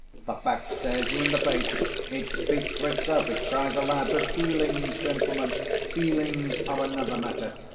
The fact stares you in the face, it speaks for itself, it cries aloud, but feelings, gentlemen, feelings are another matter.